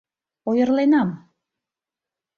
Ойырленам.